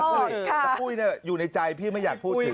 แต่ปุ้ยอยู่ในใจพี่ไม่อยากพูดถึง